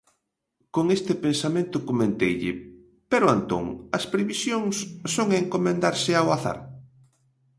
Con este pensamento comenteille: ¿Pero Antón as previsións son encomendarse ao azar?